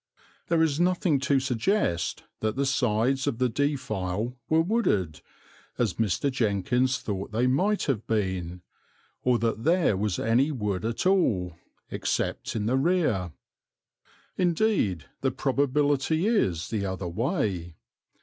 There is nothing to suggest that the sides of the defile were wooded, as Mr. Jenkins thought they might have been, or that there was any wood at all except in the rear. Indeed, the probability is the other way.